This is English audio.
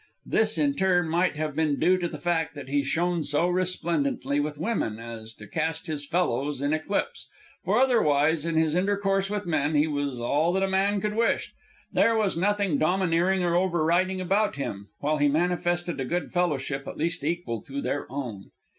This, in turn, might have been due to the fact that he shone so resplendently with women as to cast his fellows in eclipse; for otherwise, in his intercourse with men, he was all that a man could wish. There was nothing domineering or over riding about him, while he manifested a good fellowship at least equal to their own.